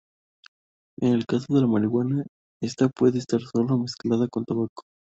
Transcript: En el caso de la marihuana esta puede estar sola o mezclada con tabaco.